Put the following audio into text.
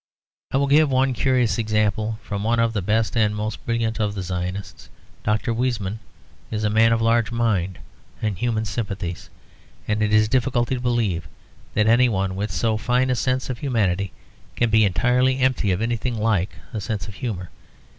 I will give one curious example from one of the best and most brilliant of the Zionists. Dr. Weizmann is a man of large mind and human sympathies; and it is difficult to believe that any one with so fine a sense of humanity can be entirely empty of anything like a sense of humour.